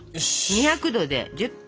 ２００℃で１０分。